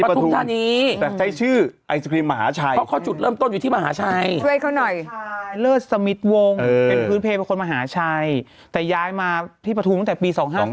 อันนี้คืออย่างเป็นทางการแล้ว